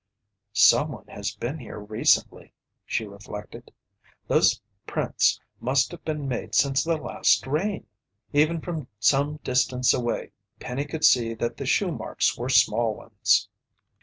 "Someone has been here recently," she reflected. "Those prints must have been made since the last rain." Even from some distance away. Penny could see that the shoemarks were small ones.